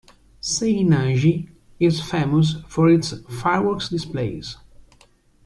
Seinaiji is famous for its fireworks displays.